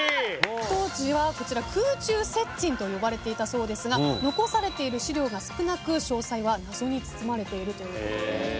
当時はこちら空中雪隠と呼ばれていたそうですが残されている史料が少なく詳細は謎に包まれているという。